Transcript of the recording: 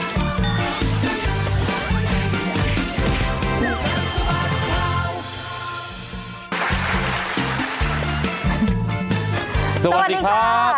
ผู้กัดสบัดผ่า